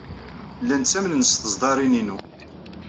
Llan ttamnen s teẓdarin-inu.